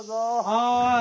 はい。